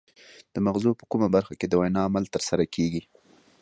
د مغزو په کومه برخه کې د وینا عمل ترسره کیږي